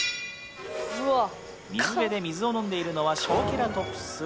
水辺で水を飲んでいるのはショウケラトプス。